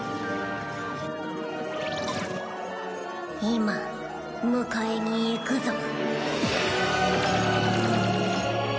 今迎えに行くぞ。